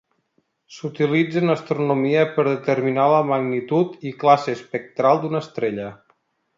S'utilitza en astronomia per determinar la magnitud i classe espectral d'una estrella.